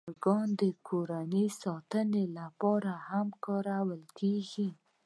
چرګان د کور د ساتنې لپاره هم کارول کېږي.